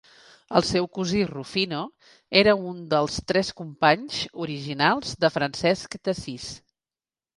El seu cosí Rufino era un dels "Tres Companys" originals de Francesc d'Assís.